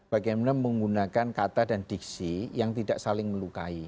bagaimana menggunakan kata dan diksi yang tidak saling melukai